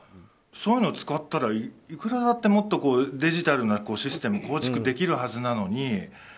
そういうの使ったらいくらだってデジタルなシステム構築できるはずなのに。